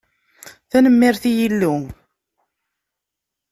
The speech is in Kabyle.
Tanemmirt i Yillu.